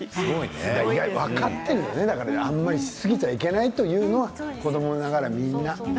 分かっているんだねあまりしすぎちゃいけないというのは子どもながらにみんな。